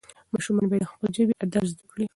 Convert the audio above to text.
ماشومان باید د خپلې ژبې ادب زده کړي.